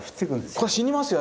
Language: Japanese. これ死にますよ